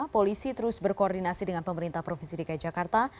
polisi terus berkoordinasi dengan pemerintah provinsi dki jakarta